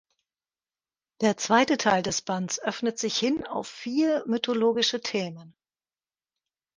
Der zweite Teil des Bands öffnet sich hin auf vier mythologische Themen.